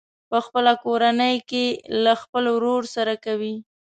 په خپله کورنۍ کې له خپل ورور سره کوي.